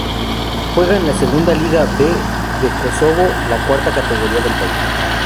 Juega en la Segunda Liga B de Kosovo, la cuarta categoría del país.